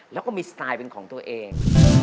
แล้วก็มีสไตล์เป็นของตัวเอง